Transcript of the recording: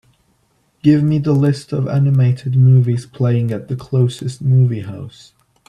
Give me the list of animated movies playing at the closest movie house